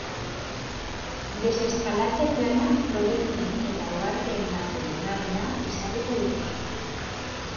Deseskalatze plana probintzien edo uharteen datuen arabera ezarriko dituzte.